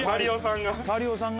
サリオさんが。